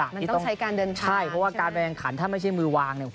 มันต้องใช้การเดินทางใช่ไหมคะใช่เพราะว่าการแบงคันถ้าไม่ใช่มือวาง